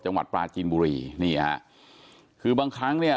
จังหวัดปลาจีนบุรีนี่ฮะคือบางครั้งเนี่ย